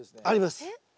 あります。